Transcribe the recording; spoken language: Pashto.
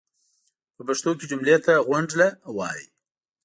پۀ پښتو کې جملې ته غونډله وایي.